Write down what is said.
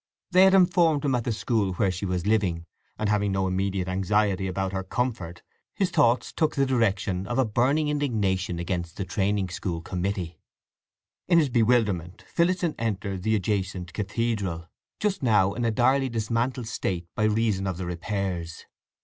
They had informed him at the school where she was living, and having no immediate anxiety about her comfort, his thoughts took the direction of a burning indignation against the training school committee. In his bewilderment Phillotson entered the adjacent cathedral, just now in a direly dismantled state by reason of the repairs.